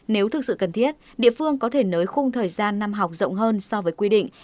nếu thực sự cần thiết địa phương có thể nới khung thời gian năm học rộng hơn so với quy định